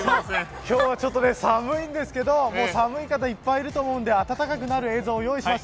今日は、ちょっと寒いんですけど寒い方いっぱいいると思うんで暖かくなる映像を用意しました。